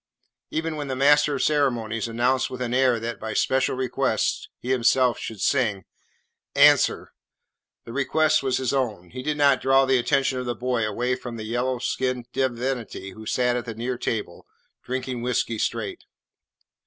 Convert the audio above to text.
Even when the master of ceremonies announced with an air that, by special request, he himself would sing "Answer," the request was his own, he did not draw the attention of the boy away from the yellow skinned divinity who sat at a near table, drinking whiskey straight.